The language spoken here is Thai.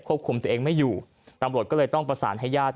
คุมตัวเองไม่อยู่ตำรวจก็เลยต้องประสานให้ญาติ